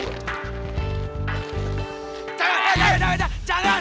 jangan jangan jangan